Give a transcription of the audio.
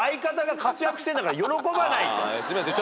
すいません。